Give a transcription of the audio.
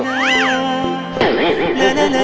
tidak tidak tidak